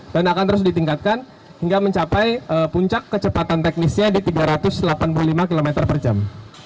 dan akan terus ditingkatkan hingga mencapai puncak kecepatan teknisnya di tiga ratus delapan puluh lima km per jam